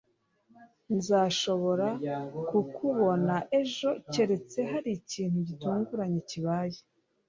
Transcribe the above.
Nzashobora kukubona ejo keretse hari ikintu gitunguranye kibaye.